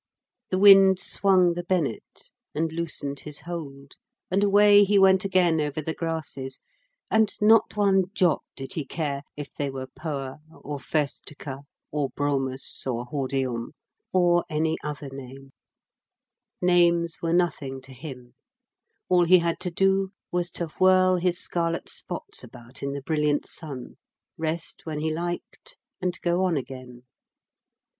The wind swung the bennet and loosened his hold, and away he went again over the grasses, and not one jot did he care if they were Poa or Festuca, or Bromus or Hordeum, or any other name. Names were nothing to him; all he had to do was to whirl his scarlet spots about in the brilliant sun, rest when he liked, and go on again.